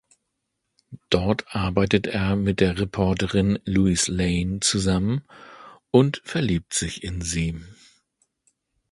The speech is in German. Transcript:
Dort arbeitet er mit der Reporterin "Lois Lane" zusammen und verliebt sich in sie.